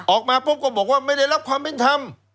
ออกมาปุ๊บก็บอกว่าไม่ได้รับความเป็นธรรม